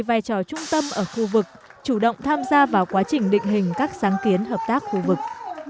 vai trò trung tâm ở khu vực chủ động tham gia vào quá trình định hình các sáng kiến hợp tác khu vực